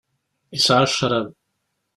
Yesɛa ccṛab.